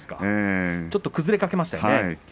ちょっと崩れかけましたよね。